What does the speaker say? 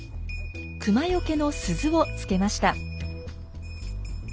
クマよけの鈴を付けました。